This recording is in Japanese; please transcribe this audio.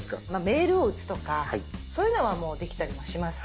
メールを打つとかそういうのはもうできたりはします。